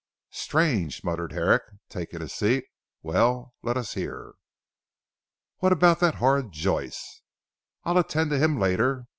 "Strange," muttered Herrick taking a seat. "Well, let us hear." "What about that horrid Joyce?" "I'll attend to him later.